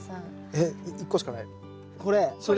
えっ１個しかないよ。